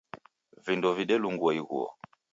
Vindo vedelungua ighuo.